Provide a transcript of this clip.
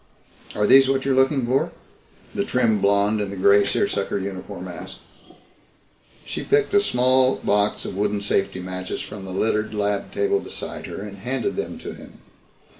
"Are these what you're looking for?" the trim blonde in the gray seersucker uniform asked. She picked a small box of wooden safety matches from the littered lab table beside her and handed them to him.